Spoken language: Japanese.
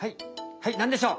はいなんでしょう？